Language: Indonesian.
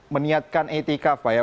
meniatkan etika pak ya